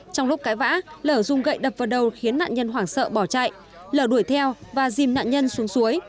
trong lúc cãi vã lở dùng gậy đập vào đầu khiến nạn nhân hoảng sợ bỏ chạy lở đuổi theo và dìm nạn nhân xuống suối